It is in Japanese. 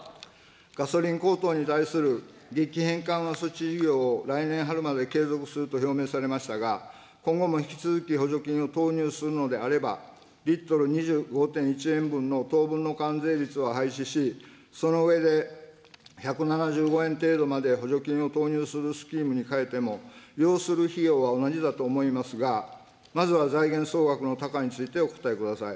ガソリン高騰に対する激変緩和措置事業を来年春まで継続すると表明されましたが、今後も引き続き補助金を投入するのであれば、リットル２５．１円分の当分の間税率は廃止し、その上で１７５円程度まで補助金を投入するスキームに変えても要する費用は同じだと思いますが、まずは財源総額の多寡についてお答えください。